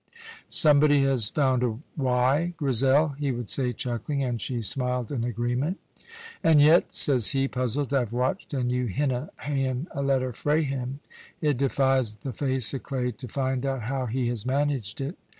"Somebody has found a wy, Grizel!" he would say, chuckling, and she smiled an agreement. "And yet," says he, puzzled, "I've watched, and you hinna haen a letter frae him. It defies the face o' clay to find out how he has managed it.